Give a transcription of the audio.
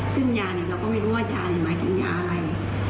ซึ่งยาเราก็ไม่รู้ว่ายาหมายถึงยาอะไร